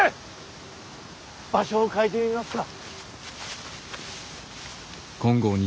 場所を変えてみますか。